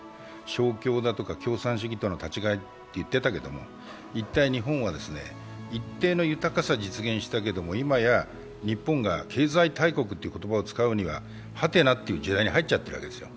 勝共とか共産主義との戦いとかって言ってたけれども、一体、日本は一定の豊かさを実現したけれども、今や、日本が経済大国という言葉を使うには「？」という時代に入っちゃっているわけですよ。